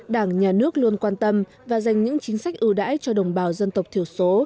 đảng nhà nước luôn quan tâm và dành những chính sách ưu đãi cho đồng bào dân tộc thiểu số